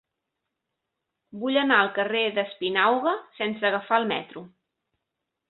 Vull anar al carrer d'Espinauga sense agafar el metro.